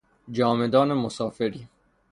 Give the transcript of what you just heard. جامه دان مسافری